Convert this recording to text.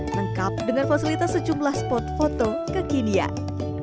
lengkap dengan fasilitas sejumlah spot foto kekinian